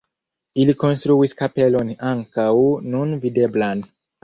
Ili konstruis kapelon ankaŭ nun videblan.